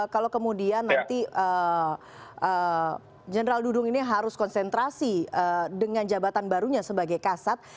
kalau kemudian nanti general dudung ini harus konsentrasi dengan jabatan barunya sebagai kasat